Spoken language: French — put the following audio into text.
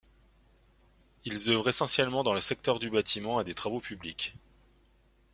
Ils œuvrent essentiellement dans le secteur du bâtiment et des travaux publics.